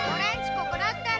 ここだった。